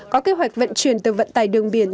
có kế hoạch vận chuyển từ vận tải đường biển